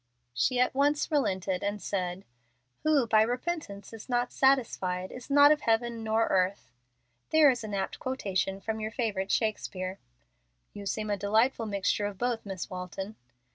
She at once relented, and said: "'Who by repentance is not satisfied Is not of heaven nor earth.' There is an apt quotation from your favorite Shakespeare." "You seem a delightful mixture of both, Miss Walton."